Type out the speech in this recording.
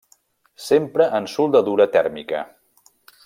S'empra en soldadura tèrmica.